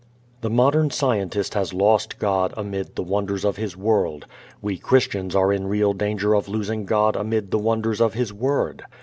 The modern scientist has lost God amid the wonders of His world; we Christians are in real danger of losing God amid the wonders of His Word.